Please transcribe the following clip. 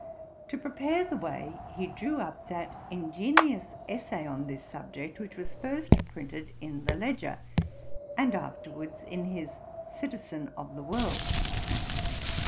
'To prepare the way, he drew up that ingenious essay on this subject which was first printed in the Ledger, and afterwards in his Citizen of the World [No. 107].' Ib. p. 65.